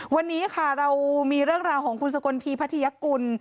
วันนี้ค่ะเรามีเรื่องราวของคุณสกลทีพัทยกุล